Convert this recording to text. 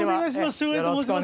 照英と申します。